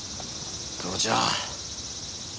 黒ちゃん。